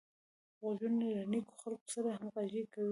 غوږونه له نېکو خلکو سره همغږي کوي